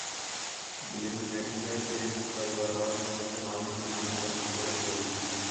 Glenn Maxwell نے سرفراز احمد سے ہاتھ نہ ملانے پر معذرت کر لی